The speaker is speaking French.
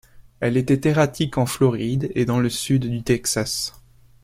Elle est erratique en Floride et dans le sud du Texas.